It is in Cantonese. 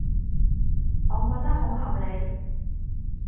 我覺得好合理